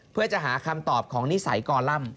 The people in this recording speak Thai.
เพื่อจะหาคำตอบของนิสัยกร่ำ